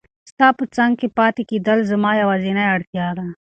ستا په څنګ کې پاتې کېدل زما یوازینۍ اړتیا ده.